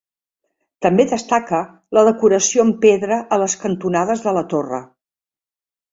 També destaca la decoració en pedra a les cantonades de la torre.